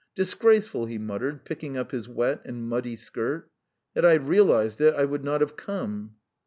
"Disgraceful!" he muttered, picking up his wet and muddy skirt. "Had I realised it, I would not have come."